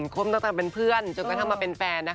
คุ้มต่างเป็นเพื่อนจนก็ทำมาเป็นแฟนนะคะ